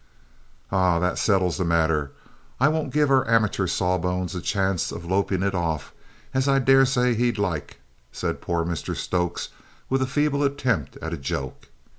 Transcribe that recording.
"Ah, that settles the matter; I won't give our amateur sawbones a chance of lopping it off, as I daresay he'd like!" said poor Mr Stokes, with a feeble attempt at a joke.